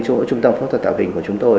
trung tâm phúc tập tạo hình của chúng tôi